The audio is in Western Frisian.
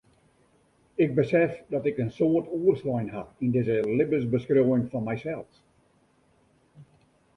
Ik besef dat ik in soad oerslein ha yn dizze libbensbeskriuwing fan mysels.